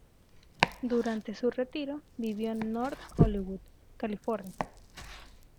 Durante su retiro vivió en North Hollywood, California.